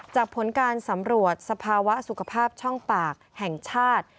ผลการสำรวจสภาวะสุขภาพช่องปากแห่งชาติ